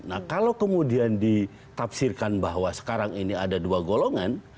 nah kalau kemudian ditafsirkan bahwa sekarang ini ada dua golongan